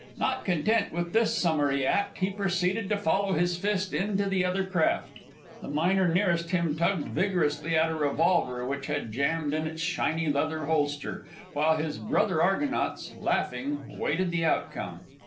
Not content with this summary act he proceeded to follow his fist into the other craft. The miner nearest him tugged vigorously at a revolver which had jammed in its shiny leather holster, while his brother argonauts, laughing, waited the outcome.